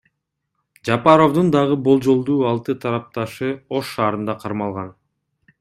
Жапаровдун дагы болжолдуу алты тарапташы Ош шаарында кармалган.